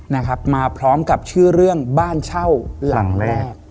นะครับมาพร้อมกับชื่อเรื่องบ้านเช่าหลังแรก